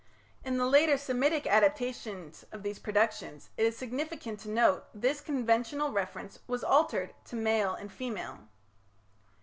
In the later Semitic adaptations of these productions, it is significant to note, this conventional reference was altered to "male and female".